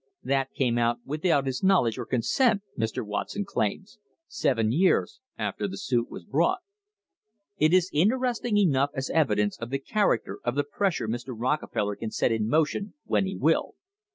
THE HISTORY OF THE STANDARD OIL COMPANY came out without his knowledge or consent, Mr. Watson claims, seven years after the suit was brought. It is interest ing enough as evidence of the character of the pressure Mr. Rockefeller can set in motion when he will.